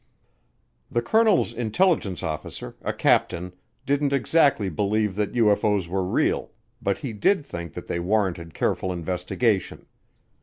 The colonel's intelligence officer, a captain, didn't exactly believe that UFO's were real, but he did think that they warranted careful investigation.